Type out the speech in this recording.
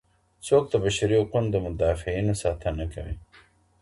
څوک د بشري حقونو د مدافعینو ساتنه کوي؟